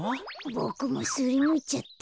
ボクもすりむいちゃった。